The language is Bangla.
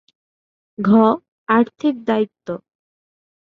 ঘ. আর্থিক দায়িত্ব